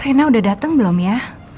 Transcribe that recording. rena sudah datang belum ya